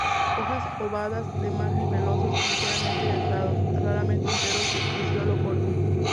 Hojas ovadas de márgenes pelosos ligeramente dentados, raramente enteros, de pecíolo corto.